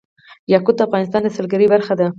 یاقوت د افغانستان د سیلګرۍ برخه ده.